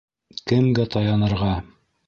Кемгә таянырға?